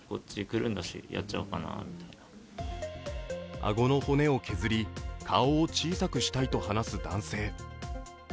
あごの骨を削り、顔を小さくしたいと話す男性。